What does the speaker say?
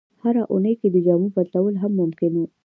هره اونۍ کې د جامو بدلول هم ممکن وو.